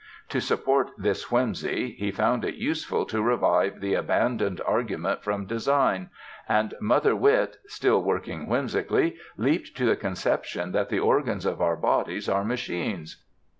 To support this whimsy he found it useful to revive the abandoned "argument from design"; and mother wit, still working whimsically, leaped to the conception that the organs of our bodies are machines.